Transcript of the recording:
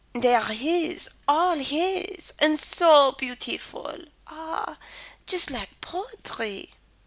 They are his all his and so beautiful! Ah, just like poetry."